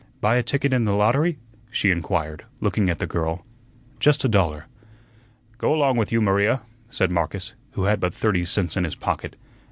"Buy a ticket in the lottery?" she inquired, looking at the girl. "Just a dollar." "Go along with you, Maria," said Marcus, who had but thirty cents in his pocket.